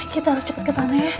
kita harus cepat kesana ya